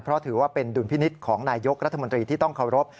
เพราะถือว่าเป็นดุลพินิษฐ์ของนายยกรัฐมนตรีที่ต้องเคารพ